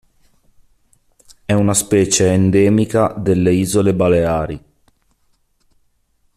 È una specie endemica delle isole Baleari.